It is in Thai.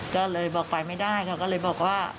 ก็เลยบอกไปไม่ได้เขาก็เลยบอกว่า